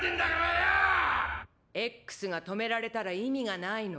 Ｘが止められたら意味がないの。